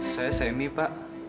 saya semi pak